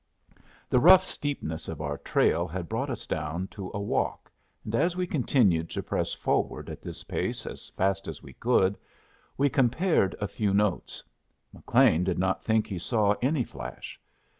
The rough steepness of our trail had brought us down to a walk, and as we continued to press forward at this pace as fast as we could, we compared a few notes. McLean did not think he saw any flash.